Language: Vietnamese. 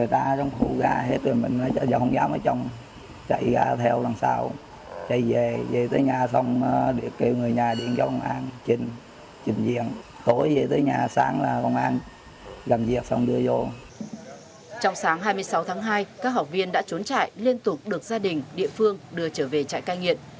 trong sáng hai mươi sáu tháng hai các học viên đã trốn trại liên tục được gia đình địa phương đưa trở về trại cai nghiện